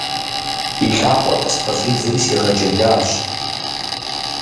И лъакъуэр къыспэщӏидзри, сигъэджэлащ.